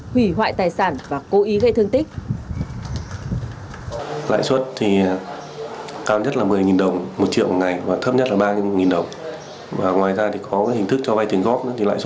hủy hoại tài sản và cố ý gây thương tích